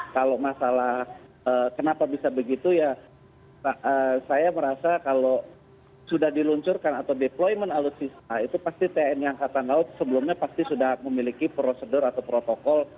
kalau masalah kenapa bisa begitu ya saya merasa kalau sudah diluncurkan atau deployment alutsista itu pasti tni angkatan laut sebelumnya pasti sudah memiliki prosedur atau protokol